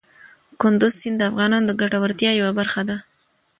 کندز سیند د افغانانو د ګټورتیا یوه برخه ده.